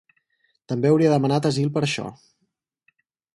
També hauria demanat asil per això.